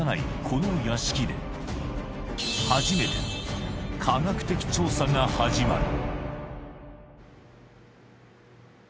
この屋敷で初めて科学的調査が始まる！